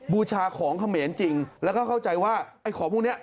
บูชาของเขมรจริงแล้วก็เข้าใจว่าไอ้ของพวกนี้